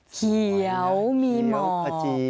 เขียวมีหมอก